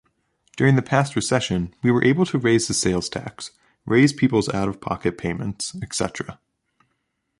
During the past recession we were able to raise the sales tax, raise people’s out-of-pocket payments etc.